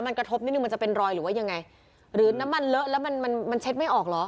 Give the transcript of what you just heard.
มันกระทบนิดนึงมันจะเป็นรอยหรือว่ายังไงหรือน้ำมันเลอะแล้วมันมันเช็ดไม่ออกเหรอ